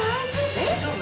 大丈夫？